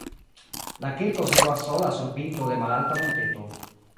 La kirko situas sola sur pinto de malalta monteto.